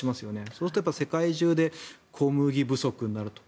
そうすると、やっぱり世界中で小麦不足になると。